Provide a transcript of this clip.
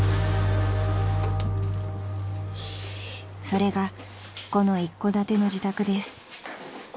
［それがこの一戸建ての自宅です］